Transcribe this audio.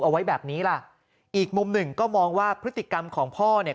เอาไว้แบบนี้ล่ะอีกมุมหนึ่งก็มองว่าพฤติกรรมของพ่อเนี่ย